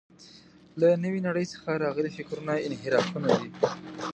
له نوې نړۍ څخه راغلي فکرونه انحرافونه دي.